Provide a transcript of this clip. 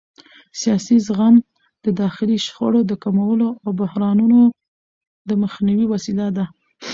سیاسي زغم د داخلي شخړو د کمولو او بحرانونو د مخنیوي وسیله ده